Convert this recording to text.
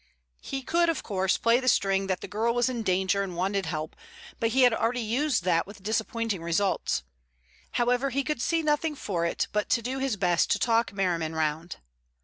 He could, of course, play on the string that the girl was in danger and wanted help, but he had already used that with disappointing results. However, he could see nothing for it but to do his best to talk Merriman round.